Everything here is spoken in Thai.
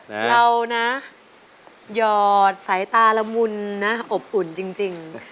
เรานะหยอดสายตาละมุนนะอบอุ่นจริง